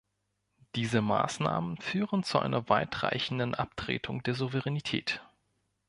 Diese Maßnahmen führen zu einer weitreichenden Abtretung der Souveränität.